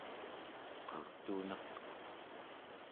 qertuneq